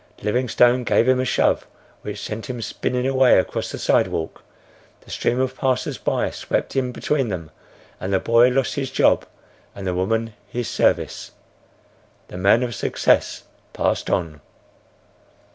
Livingstone gave him a shove which sent him spinning away across the sidewalk; the stream of passers by swept in between them, and the boy lost his job and the woman his service. The man of success passed on.